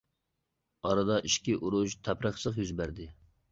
ئارىدا ئىچكى ئۇرۇش، تەپرىقىچىلىك يۈز بەردى.